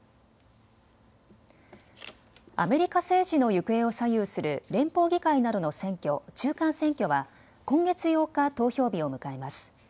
アメリカ政治の行方を左右する連邦議会などの選挙、中間選挙は今月８日、投票日を迎えます。